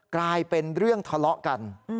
กลายเป็นเรื่องทะเลาะกัน